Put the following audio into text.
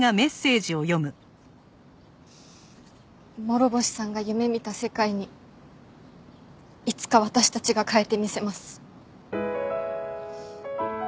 諸星さんが夢見た世界にいつか私たちが変えてみせます。